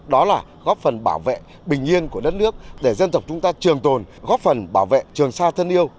đó là góp phần bảo vệ bình yên của đất nước để dân tộc chúng ta trường tồn góp phần bảo vệ trường xa thân yêu